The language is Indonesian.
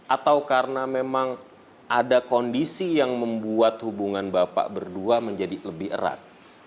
atau karena memang ada kondisi yang membuat hubungan bapak berdua menjadi lebih erat